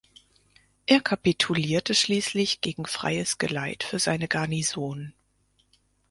Er kapitulierte schließlich gegen freies Geleit für seine Garnison.